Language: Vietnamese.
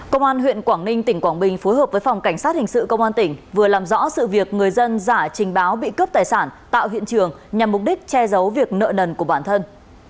công an huyện quảng ninh tỉnh quảng bình phối hợp với phòng cảnh sát hình sự công an tỉnh vừa làm rõ sự việc người dân giả trình báo bị cướp tài sản tạo hiện trường nhằm mục đích che giấu việc nợ nần của bản thân